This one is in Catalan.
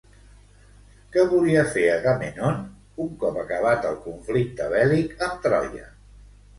Què volia fer Agamèmnon un cop acabat el conflicte bèl·lic amb Troia?